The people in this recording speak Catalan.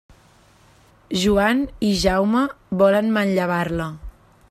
Joan i Jaume volen manllevar-la.